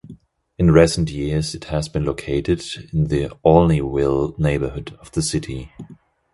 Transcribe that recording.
In recent years it has been located in the Olneyville neighborhood of the city.